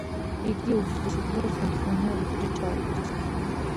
იგი უფრი სითბოს მომთხოვნია ვიდრე ჭაობის.